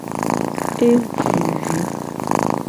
E ji vi.